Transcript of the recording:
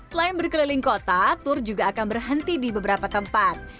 selain berkeliling kota tur juga akan berhenti di beberapa tempat